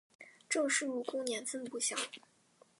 郑氏入宫年份不详。